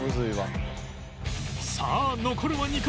さあ残るは２回